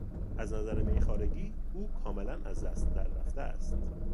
از نظر میخوارگی، او کاملا از دست در رفته است.